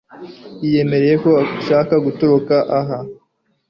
Yiyemereye ko yashakaga gutoroka aha